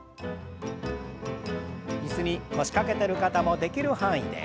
椅子に腰掛けてる方もできる範囲で。